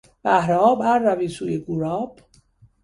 بهر آب ار روی سوی گوراب...